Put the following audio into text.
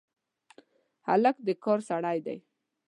هلک د کار سړی دی.